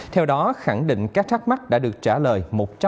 theo đó khẳng định các thắc mắc đã được trả lời